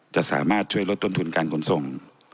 จะสามารถช่วยลดต้นทุนการขนส่ง